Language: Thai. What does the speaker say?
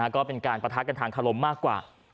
ก็เป็นการปะทะกันทางขลมมากกว่า